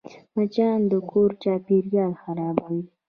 مچان د کور چاپېریال خرابوي